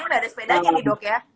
ini nggak ada sepedanya nih dok ya